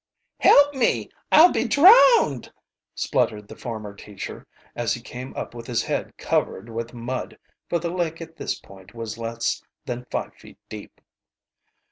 "Help me! I'll be drowned!" spluttered the former teacher, as he came up with his head covered with mud, for the lake at this point was less than five feet deep.